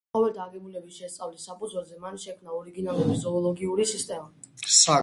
ცხოველთა აგებულების შესწავლის საფუძველზე მან შექმნა ორიგინალური ზოოლოგიური სისტემა.